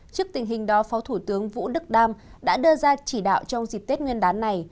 trước tình hình đó phó thủ tướng vũ đức đam đã đưa ra chỉ đạo trong dịp tết nguyên đán này